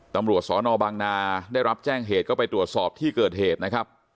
ตำรวจสอนอบางนาได้รับแจ้งเหตุก็ไปตรวจสอบที่เกิดเหตุนะครับ